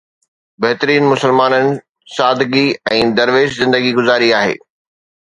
بهترين مسلمانن سادگي ۽ درويش زندگي گذاري آهي